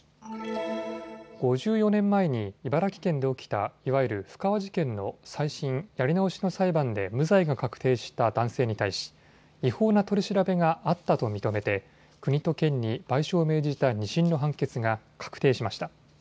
５４年前に茨城県で起きたいわゆる布川事件の再審・やり直しの裁判で無罪が確定した男性に対し違法な取り調べがあったと認めて国と県に賠償を命じた２審の判決が確定しました。